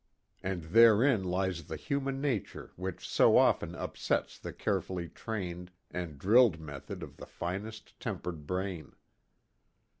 And therein lies the human nature which so often upsets the carefully trained and drilled method of the finest tempered brain.